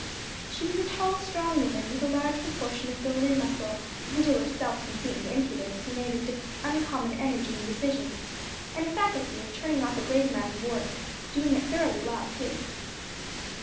She was a tall, strong woman with a large proportion of bone and muscle; ditto of self conceit and impudence united to uncommon energy and decision, and a faculty of turning off a great amount of work; doing it thoroughly well too.